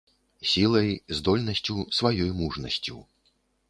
Сілай, здольнасцю, сваёй мужнасцю.